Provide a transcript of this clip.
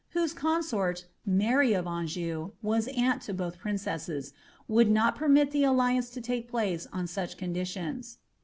whose con •orV Mary of Anjou, was auni to both princesses, would not permit ibe alliance to take place on such eontlitlons.